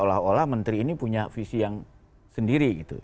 bahwa menteri ini punya visi yang sendiri gitu